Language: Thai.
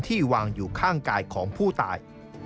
วางอยู่ข้างกายของผู้ตาย